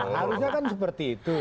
harusnya kan seperti itu